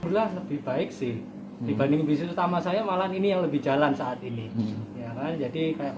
pulas lebih baik sih dibanding bisnis utama saya malah ini yang lebih jalan saat ini ya kan jadi kayak